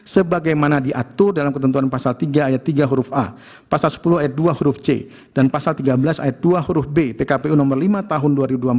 sebagaimana diatur dalam ketentuan pasal tiga ayat tiga huruf a pasal sepuluh ayat dua huruf c dan pasal tiga belas ayat dua huruf b pkpu nomor lima tahun dua ribu dua puluh